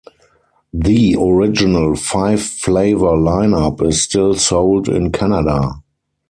The original five-flavor lineup is still sold in Canada.